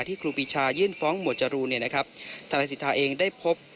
ที่ครูปิชายื่นฟ้องหมวดจริงทรานตาศิษฐาเองได้พบ